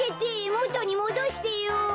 もとにもどしてよ。